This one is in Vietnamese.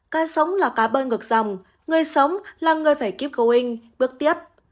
cá sống là cá bơi ngược dòng người sống là người phải kiếp going bước tiếp